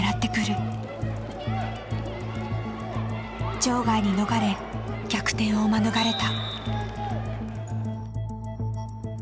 場外に逃れ逆転を免れた。